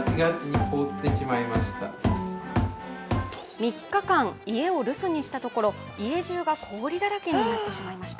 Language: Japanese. ３日間、家を留守にしたところ家じゅうが氷りだらけになってしまいました。